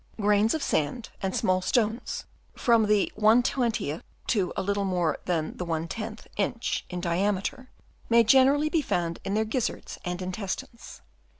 Grains of sand and small stones, from the ^ to a little more than the ^ inch in diameter, may generally be found in their gizzards and intestines.